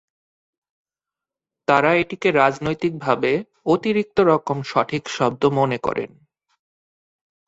তারা এটিকে রাজনৈতিকভাবে অতিরিক্ত রকম সঠিক শব্দ মনে করেন।